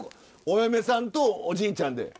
お嫁さんとおじいちゃんで。